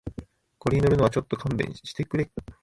これに乗るのはちょっと勘弁してくれ